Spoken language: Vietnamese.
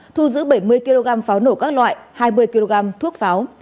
thu giữ bảy mươi kg pháo nổ các loại hai mươi kg thuốc pháo